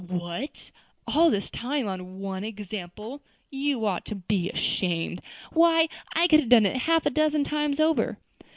"What! all this time on one example! you ought to be ashamed. Why, I could have done it half a dozen times over."